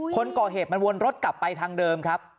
คนก่อเหตุมันวนรถกลับไปทางเดิมครับ